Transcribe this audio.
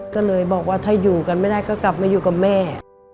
ก็เลยบอกว่าถ้าอยู่กันไม่ได้ก็กลับมาอยู่กับแม่